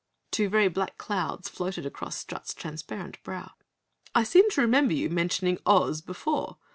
Two very black clouds floated across Strut's transparent brow. "I seem to remember your mentioning Oz before!